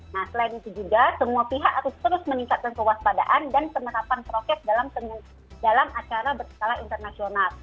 nah selain itu juga semua pihak harus terus meningkatkan kewaspadaan dan penerapan prokes dalam acara berskala internasional